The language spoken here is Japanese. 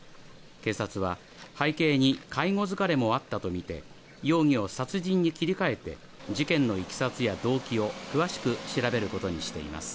警察は背景に介護疲れもあったとみて容疑を殺人に切り替えて事件のいきさつや動機を詳しく調べることにしています